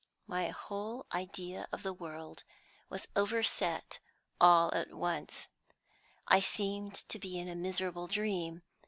My whole idea of the world was overset all at once; I seemed to be in a miserable dream.